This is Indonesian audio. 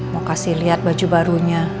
mau kasih lihat baju barunya